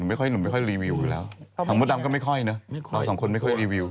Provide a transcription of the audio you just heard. หนุ่มไม่ค่อยรีวิวอยู่แล้วทางมดดำก็ไม่ค่อยเนอะเราสองคนไม่ค่อยรีวิว